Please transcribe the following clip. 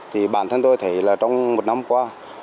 thì bản thân tôi thấy là trong một năm qua